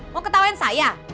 mau ketawain saya